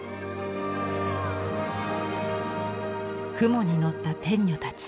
雲に乗った天女たち。